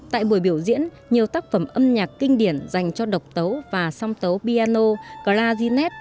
tại buổi biểu diễn nhiều tác phẩm âm nhạc kinh điển dành cho độc tấu và song tấu piano claginet